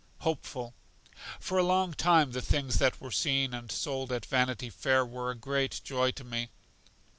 Hopeful. For a long time the things that were seen and sold at Vanity Fair were a great joy to me.